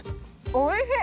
おいしい！